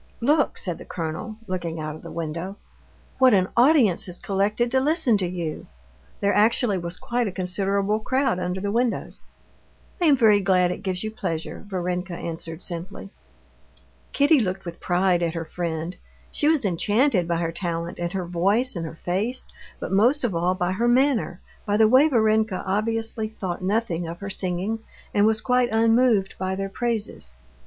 "Look," said the colonel, looking out of the window, "what an audience has collected to listen to you." There actually was quite a considerable crowd under the windows. "I am very glad it gives you pleasure," Varenka answered simply. Kitty looked with pride at her friend. She was enchanted by her talent, and her voice, and her face, but most of all by her manner, by the way Varenka obviously thought nothing of her singing and was quite unmoved by their praises.